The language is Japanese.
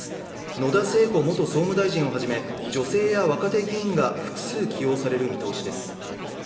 野田聖子元総務大臣をはじめ、女性や若手議員が複数起用される見通しです。